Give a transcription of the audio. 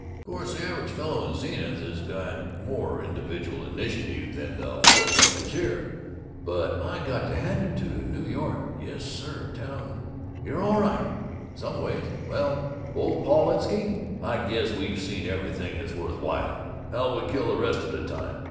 Of course the average fellow in Zenith has got more Individual Initiative than the fourflushers here, but I got to hand it to New York. Yes, sir, town, you're all right some ways. Well, old Paulski, I guess we've seen everything that's worth while. How'll we kill the rest of the time?